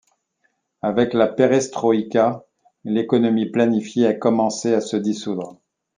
Avec la perestroïka, l'économie planifiée a commencé à se dissoudre.